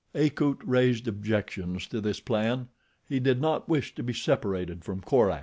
Akut raised objections to this plan. He did not wish to be separated from Korak.